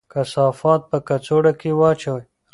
کثافات په کڅوړه کې واچوئ.